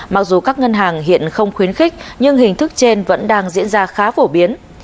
mặc dù các ngân hàng hiện không khuyến khích nhưng hình thức trên vẫn đang diễn ra khá phổ biến